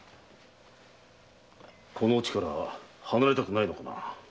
この家から離れたくないのかな？